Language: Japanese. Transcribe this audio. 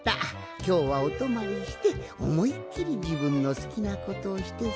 きょうはおとまりしておもいっきりじぶんのすきなことをしてすごすといい。